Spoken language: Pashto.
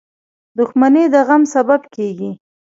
• دښمني د غم سبب کېږي.